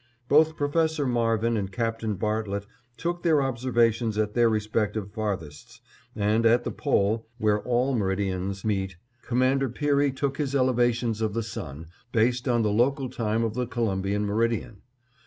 Both Professor Marvin and Captain Bartlett took their observations at their respective farthests, and at the Pole, where all meridians meet, Commander Peary took his elevations of the sun, based on the local time of the Columbian meridian.